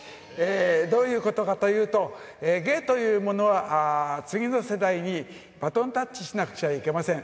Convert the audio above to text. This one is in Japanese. どういうことかというと、芸というものは、次の世代にバトンタッチしなくちゃいけません。